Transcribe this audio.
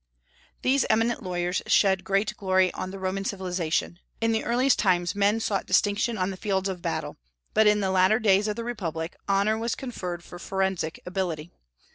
These eminent lawyers shed great glory on the Roman civilization. In the earliest times men sought distinction on the fields of battle, but in the latter days of the republic honor was conferred for forensic ability.